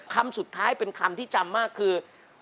คำสุดท้ายเป็นคำที่จำมากคือ